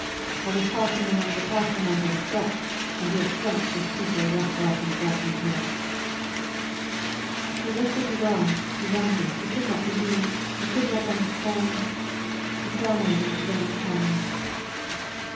I was passing along the path when I heard a shot, and your senseless people rushed out and dragged me here. He lifted his arms, he wondered, he could not believe, he could not understand, he clamoured in his own tongue!